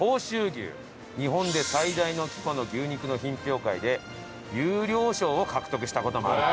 日本で最大の規模の牛肉の品評会で優良賞を獲得した事もある。